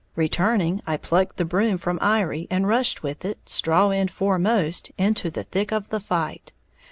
Returning, I plucked the broom from Iry, and rushed with it, straw end foremost, into the thick of the fight.